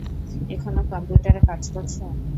এখনো কম্পিউটারে কাজ করছো?